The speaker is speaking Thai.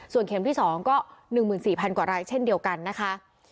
เข็มที่๒ก็๑๔๐๐กว่ารายเช่นเดียวกันนะคะ